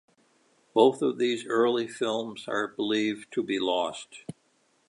Both of these early films are believed to be lost.